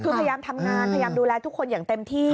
คือพยายามทำงานพยายามดูแลทุกคนอย่างเต็มที่